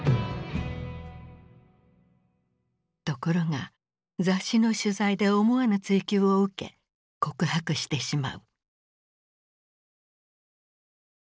ところが雑誌の取材で思わぬ追及を受け告白してしまう。